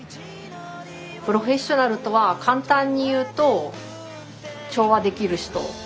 プロフェッショナルとは簡単に言うと調和できる人。